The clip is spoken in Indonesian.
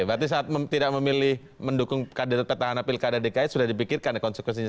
batu saat mempilih mendukung kadet pertahanan pilkada dki sudah dipikirkan konsekuensinya